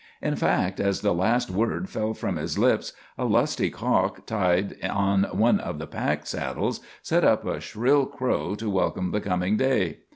In fact, as the last word fell from his lips a lusty cock tied on one of the pack saddles set up a shrill crow to welcome the coming day.